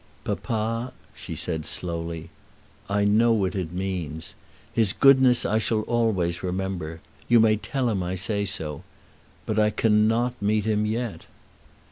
"Papa," she said slowly, "I know what it means. His goodness I shall always remember. You may tell him I say so. But I cannot meet him yet."